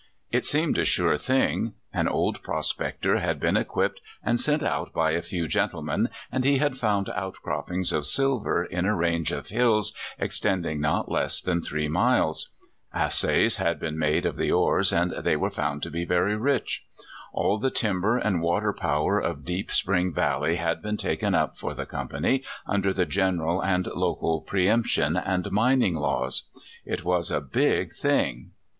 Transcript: It seemed a sure thing. An old prospector had been equipped and sent out by a few gentlemen, and he had found outcroppings of silver in a range of hills extending not less than three miles. Assays had been made of the ores, and they were found to be very rich. All the timber and water power of Deep Spring Valley had been taken up for the company under the general and local pre emption and mining laws. It was a big thing.